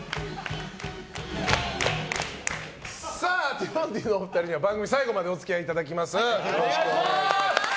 ティモンディのお二人には番組最後までお付き合いいただきます。